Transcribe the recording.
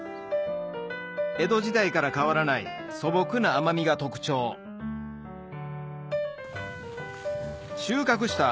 江戸時代から変わらない素朴な甘みが特徴収穫した